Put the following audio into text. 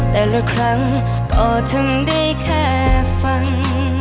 แต่ละครั้งก็ทำได้แค่ฟัง